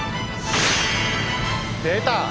出た！